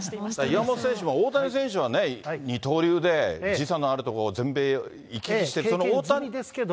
岩本選手も大谷選手はね、二刀流で時差のある所、全米行き来経験済みですけど。